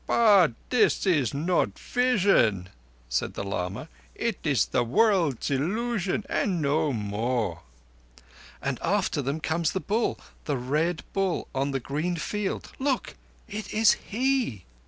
"But this is not vision," said the lama. "It is the world's Illusion, and no more." "And after them comes the Bull—the Red Bull on the green field. Look! It is he!"